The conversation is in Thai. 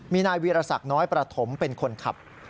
มีนายวีรศักดิ์น้อยประถมเป็นคนขับ